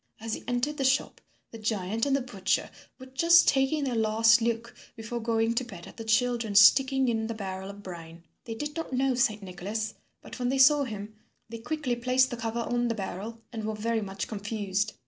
As he entered the shop, the giant and the butcher were just taking their last look before going to bed at the children sticking in the barrel of brine. They did not know Saint Nicholas, but when they saw him they quickly placed the cover on the barrel and were very much confused.